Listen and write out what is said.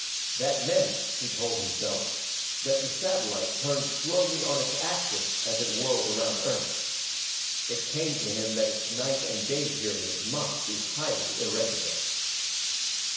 That meant, he told himself, that the satellite turned slowly on its axis as it whirled around Earth. It came to him that its night and day periods must be highly irregular.